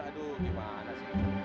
aduh gimana sih